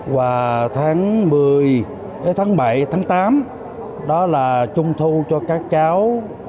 và tháng bảy tháng tám đó là trung thu cho các cháu